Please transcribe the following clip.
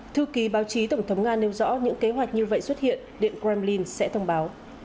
thư ký báo chí tổng thống nga nêu rõ những kế hoạch như vậy xuất hiện điện kremlin sẽ thông báo